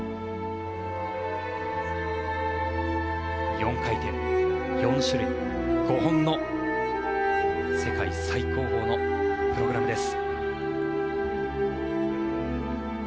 ４回転４種類５本の世界最高峰のプログラムです。